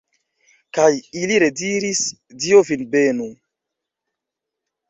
Kaj ili rediris: Dio vin benu!